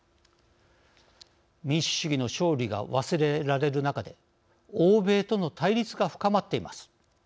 「民主主義の勝利」が忘れられる中で欧米との対立が深まっています。